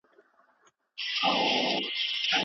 پښې باید تل ګرمې وساتل شي.